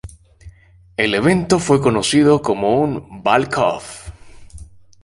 El evento fue conocido como un "balk-off".